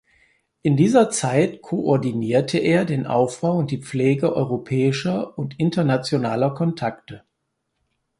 In dieser Zeit koordinierte er den Aufbau und die Pflege europäischer und internationaler Kontakte.